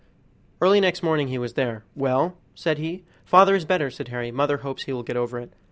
Early next morning he was there. "Well?" said he. "Father is better," said Harry. "Mother hopes he will get over it."